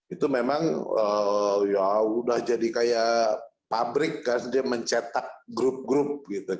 itu memang sudah jadi kayak pabrik mencetak grup grup